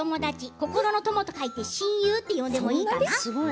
心の友と書いて心友と呼んでもいいかな？